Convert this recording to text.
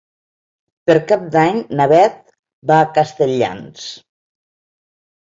Per Cap d'Any na Beth va a Castelldans.